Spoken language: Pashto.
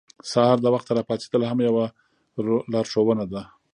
سهار د وخته راپاڅېدل هم یوه لارښوونه ده.